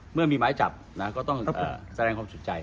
เมื่อมีสินใจทั้งของหมูกันก็ต้องแสดงความสุขใจ